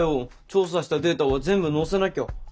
調査したデータは全部載せなきゃ。